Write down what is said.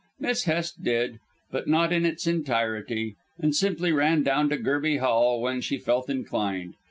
Miss Hest did, but not in its entirety, and simply ran down to Gerby Hall when she felt inclined.